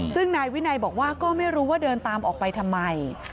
ซึ่งนายวินัยบอกว่าก็ไม่รู้ว่าเดินตามออกไปทำไม